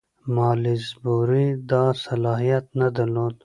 سالیزبوري دا صلاحیت نه درلود.